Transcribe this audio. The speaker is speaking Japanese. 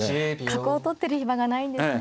角を取ってる暇がないんですね。